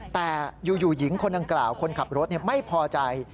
แต่อยู่หญิงคนดังกล่าวคนขับรถไม่พอใจ